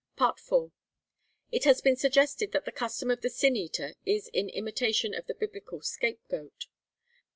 IV. It has been suggested that the custom of the Sin eater is in imitation of the Biblical scapegoat.